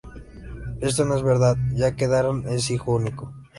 Esto no es verdad, ya que Daron es hijo único.